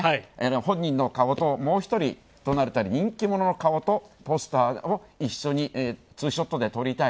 本人の顔と、もう一人人気者の顔とポスターを一緒にツーショットで撮りたい。